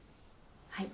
はい。